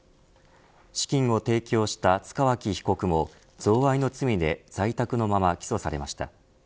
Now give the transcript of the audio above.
資金を提供した塚脇被告も贈賄の罪で在宅のまま起訴されました。